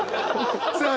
さあ